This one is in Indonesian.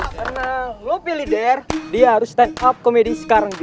karena lo pilih dare dia harus stand up comedy sekarang juga